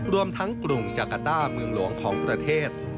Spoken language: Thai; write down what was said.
รวมทั้งกรุงจักรต้าเมืองหลวงของประเทศ